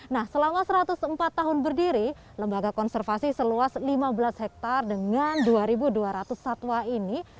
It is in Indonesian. nah selama satu ratus empat tahun berdiri lembaga konservasi seluas lima belas hektare dengan dua dua ratus satwa ini